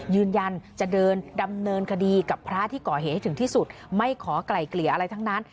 ยืนยันจะเดินดำเนินคดีกับพระที่ก่อเหตุให้ถึงที่สุดไม่ขอไกล่เกลี่ยอะไรทั้งนั้น